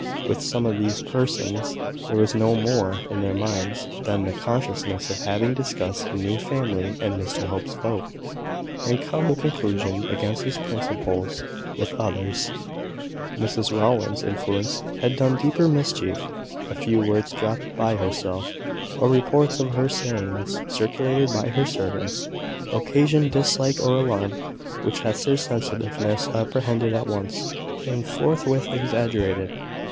With some of these persons, there was no more in their minds than the consciousness of having discussed the new family and Mr Hope's vote, and come to a conclusion against his "principles." With others, Mrs Rowland's influence had done deeper mischief. A few words dropped by herself, or reports of her sayings, circulated by her servants, occasioned dislike or alarm which Hester's sensitiveness apprehended at once, and forthwith exaggerated.